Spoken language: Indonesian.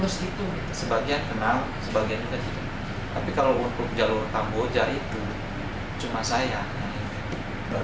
sebagian kenal sebagian juga tapi kalau untuk jalur kamboja itu cuma saya